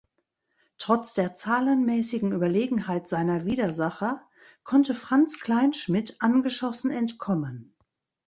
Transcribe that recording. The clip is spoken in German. Trotz der zahlenmäßigen Überlegenheit seiner Widersacher konnte Franz Kleinschmidt angeschossen entkommen.